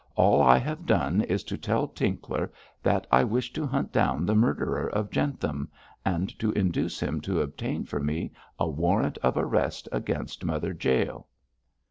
'All I have done is to tell Tinkler that I wish to hunt down the murderer of Jentham, and to induce him to obtain for me a warrant of arrest against Mother Jael.'